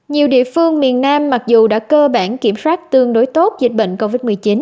nhiều địa phương miền nam mặc dù đã cơ bản kiểm soát tương đối tốt dịch bệnh covid một mươi chín